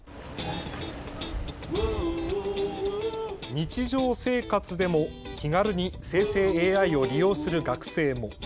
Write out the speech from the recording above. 日常生活でも気軽に生成ＡＩを利用する学生も。